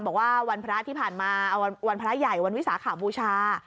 บอกว่าวันพระที่ผ่านมาวันพระใหญ่วันวิสาขบูชา